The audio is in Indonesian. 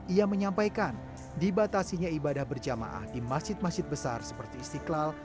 ia menyampaikan dibatasinya ibadah berjamaah di masjid masjid besar seperti istiqlal